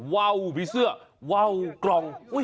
ว่าวมีเสื้อว่าวกล่อง